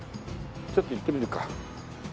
ちょっと行ってみるか。